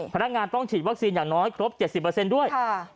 พนักงานต้องฉีดวัคซีนอย่างน้อยครบ๗๐ด้วย